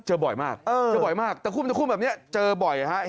เจอบ่อยมากตะคุมตะคุมแบบนี้เจอบ่อยครับ